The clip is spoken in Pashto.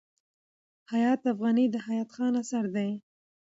حیات افغاني د حیات خان اثر دﺉ.